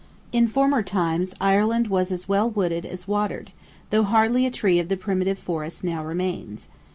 In former times, Ireland was as well wooded as watered, though hardly a tree of the primitive forest now remains.